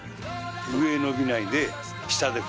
上へ伸びないで。